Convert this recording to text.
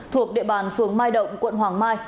thuộc địa bàn phường mai động quận hoàng mai